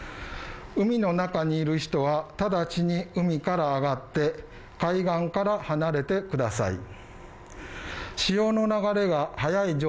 海の中にいる人は直ちに海から上がって、海岸から離れてください。